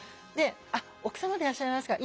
「あっ奥様でいらっしゃいますか？」。